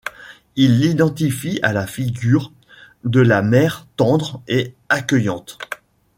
Il l'identifie à la figure de la mère tendre et accueillante.